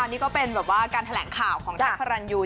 อันนี้ก็เป็นการแถลงข่าวของทักษ์ภรรณอยู่